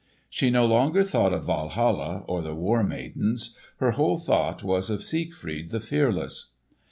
She no longer thought of Walhalla, or the War Maidens. Her whole thought was of Siegfried the fearless.